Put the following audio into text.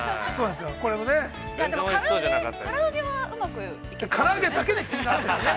◆でもから揚げはうまくいってますよね。